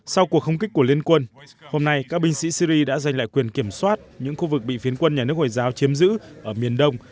sau cuộc không kích của liên quân hôm nay các binh sĩ syri đã giành lại quyền kiểm soát những khu vực bị phiến quân nhà nước hồi giáo chiếm giữ ở miền đông